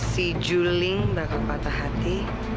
si juling bakal patah hati